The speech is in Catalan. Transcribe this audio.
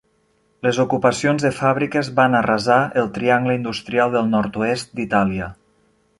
Les ocupacions de fàbriques van arrasar el "triangle industrial" del nord-oest d'Itàlia.